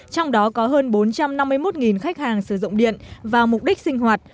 trong đó có hơn bốn trăm năm mươi một khách hàng sử dụng điện vào mục đích sinh hoạt